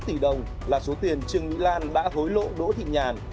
năm hai triệu usd là số tiền trương mỹ lan đã hối lộ đỗ thị nhàn